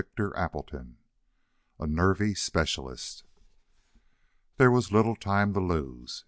Chapter Nineteen A Nervy Specialist There was little time to lose.